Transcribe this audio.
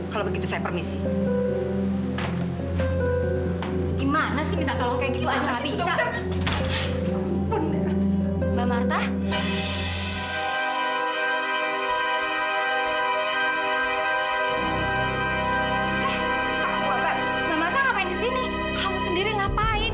mau batalin tes dna